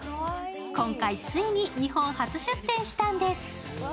今回ついに日本初出店したんです。